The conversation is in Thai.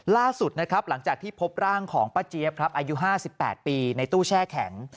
ล่าสุดนะครับหลังจากที่พบร่างของป้าเจี๊ยบครับอายุ๕๘ปีในตู้แช่แข็ง